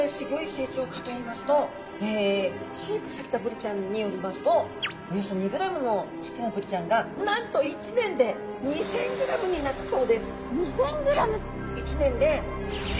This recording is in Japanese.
成長かといいますと飼育されたブリちゃんによりますとおよそ２ｇのちっちゃなブリちゃんがなんと１年で１年で１０００倍。